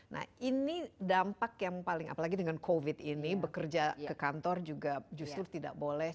nah ini dampak yang paling apalagi dengan covid ini bekerja ke kantor juga justru tidak boleh